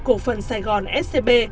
cổ phần sài gòn scb